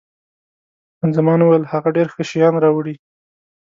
خان زمان وویل، هغه ډېر ښه شیان راوړي.